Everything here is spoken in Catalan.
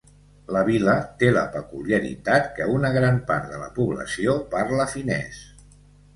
La vila té la peculiaritat que una gran part de la població parla finès.